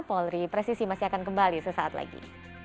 polri presisi masih akan kembali sesaat lagi